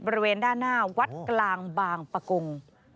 บริเวณด้านหน้าวัดกลางบางปะกง